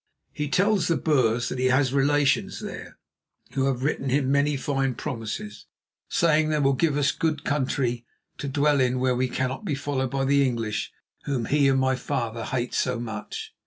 He tells the Boers that he has relations there who have written him many fine promises, saying they will give us good country to dwell in where we cannot be followed by the English, whom he and my father hate so much."